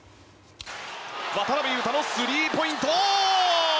渡邊雄太のスリーポイント！